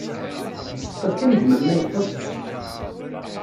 Ssefqed kan gma-m ma yeṭṭes?